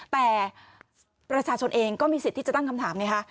แต่ประชาชนเองก็มีสิทธิ์ที่จะตั้งคำถามไงคะ